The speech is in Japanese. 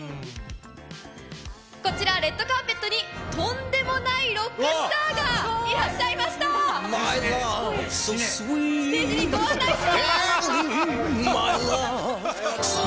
こちら、レッドカーペットに、とんでもないロックスターがいらっしゃいました。